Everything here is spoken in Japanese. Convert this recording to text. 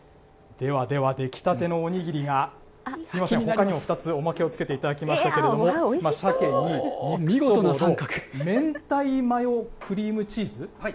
ではでは、出来たてのおにぎりが、すみません、ほかにも２つ、おまけをつけていただきましたけれども、シャケに、、明太マヨクリームチーズ。